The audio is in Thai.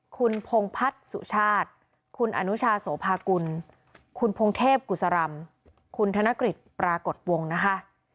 คุณพงพัฒน์สุชาติคุณอนุชาโสภากุลคุณพงเทพกุศรำคุณธนกฤษปรากฏวงนะคะ